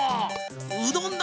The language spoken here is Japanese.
うどんだ！